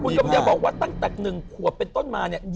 คุณอย่าบอกว่าตั้งแต่๑หัวเป็นต้นมา